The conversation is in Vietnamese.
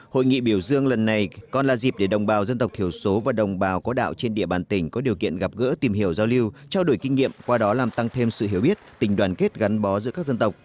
hội nghị biểu dương lần này còn là dịp để đồng bào dân tộc thiểu số và đồng bào có đạo trên địa bàn tỉnh có điều kiện gặp gỡ tìm hiểu giao lưu trao đổi kinh nghiệm qua đó làm tăng thêm sự hiểu biết tình đoàn kết gắn bó giữa các dân tộc